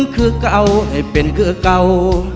คือเก่าให้เป็นเครือเก่า